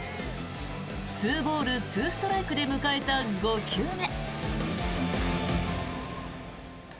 ２ボール２ストライクで迎えた５球目。